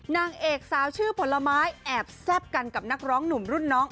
นางเอกสาวชื่อผลไม้แอบแซ่บกันกับนักร้องหนุ่มรุ่นน้อง